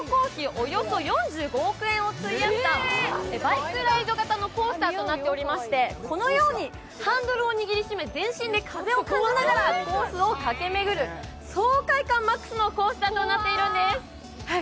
およそ４５億円を費やしたバイクライド型のコースターとなっておりまして、このようにハンドルを握りしめ、全身で風を感じながらコースを駆けめぐる爽快感マックスのコースターとなっているんです。